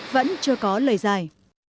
vẫn chưa có lời dài